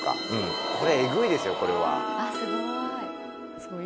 すごい。